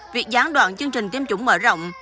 việc gián đoạn chương trình tiêm chủng mở rộng